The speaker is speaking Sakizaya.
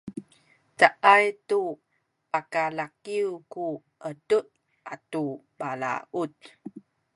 caay tu pakalaliw ku edu atu balaut